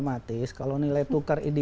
kalau nilai tukar ideal kalau nilai tukar ideal